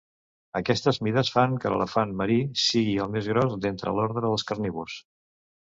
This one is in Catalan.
Aquestes mides fan que l'elefant marí sigui el més gros d'entre l'ordre dels carnívors.